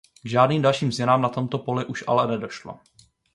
K žádným dalším změnám na tomto poli už ale nedošlo.